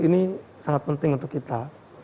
ini sangat penting untuk kita